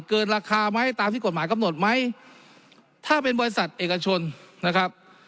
เกินราคาไหมตามที่กฎหมายกำหนดไหมถ้าเป็นบริษัทเอกชนนะครับ